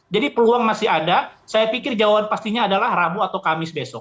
jadi peluang masih ada saya pikir jawaban pastinya adalah rabu atau kamis besok